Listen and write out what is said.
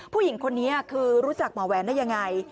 ผู้หญิงคนนี้คือรู้จักหมอแหวนได้ยังไง